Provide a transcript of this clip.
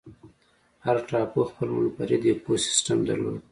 هر ټاپو خپل منفرد ایکوسیستم درلود.